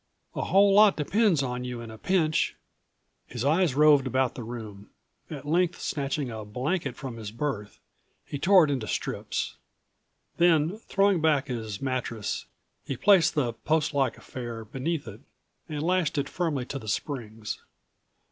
A whole lot depends on you in a pinch." His eyes roved about the room. At length, snatching a blanket from his berth, he tore it into strips. Then, throwing back his mattress, he placed the postlike affair beneath it and lashed it firmly to the springs.